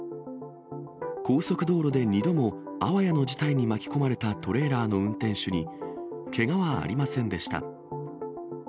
高速道路で２度もあわやの事態に巻き込まれたトレーラーの運転手に、けがはありませんでした。